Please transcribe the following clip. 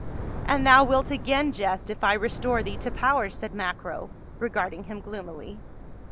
"And thou wilt again jest, if I restore thee to power," said Macro, regarding him gloomily.